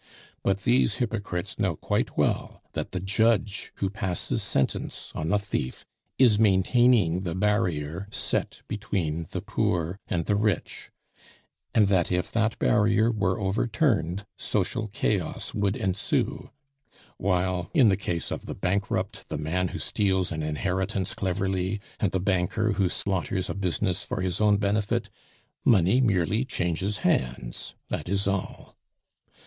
But these hypocrites know quite well that the judge who passes sentence on the thief is maintaining the barrier set between the poor and the rich, and that if that barrier were overturned, social chaos would ensue; while, in the case of the bankrupt, the man who steals an inheritance cleverly, and the banker who slaughters a business for his own benefit, money merely changes hands, that is all.